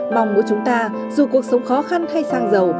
mong muốn chúng ta dù cuộc sống khó khăn hay sang giàu